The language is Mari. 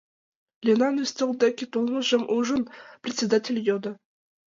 — Ленан ӱстел деке толмыжым ужын, председатель йодо.